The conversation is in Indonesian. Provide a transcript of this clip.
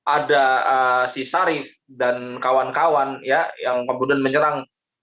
ada si sarif dan kawan kawan yang kemudian menyerang